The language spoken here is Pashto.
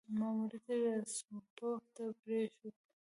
ماموریت یې راسګونوف ته پرېښود.